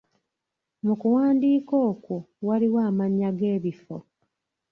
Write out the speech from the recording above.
Mu kuwandiika okwo, waliwo amannya g'ebifo.